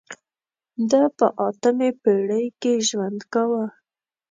ده په اتمې پېړۍ کې ژوند کاوه.